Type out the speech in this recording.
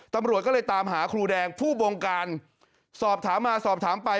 ตำรวจก็เลยตามหาครูแดงผู้บงการสอบถามมาสอบถามไป